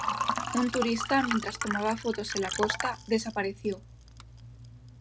Un turista, mientras tomaba fotos en la costa, desapareció.